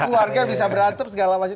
keluarga bisa berantem segala macam